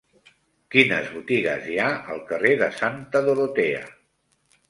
Quines botigues hi ha al carrer de Santa Dorotea?